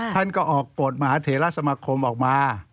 ท่านก็ออกกฎมหาเถระสมคมออกมา